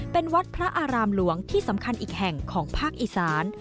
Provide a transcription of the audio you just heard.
เป็นวัดพระอารามหลวงที่สำคัญอีกแห่งของภาคอีสาน